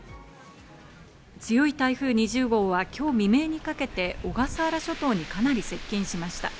強い台風２０号は今日未明にかけて小笠原諸島にかなり接近しました。